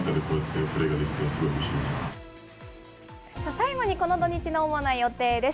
最後にこの土日の主な予定です。